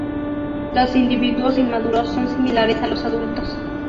Los individuos inmaduros son similares a los adultos.